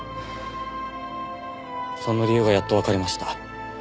その理由がやっとわかりました。